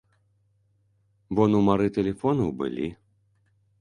Бо нумары тэлефонаў былі.